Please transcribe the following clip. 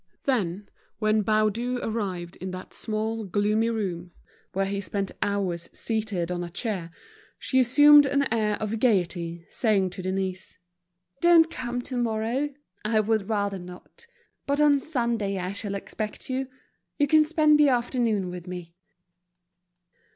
Then, when Baudu arrived in that small, gloomy room, where he spent hours seated on a chair, she assumed an air of gaiety, saying to Denise—"Don't come tomorrow, I would rather not. But on Sunday I shall expect you; you can spend the afternoon with me."